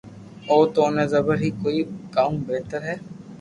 او تو اوني زبر ھي ڪي ڪاوُ بھتر ھي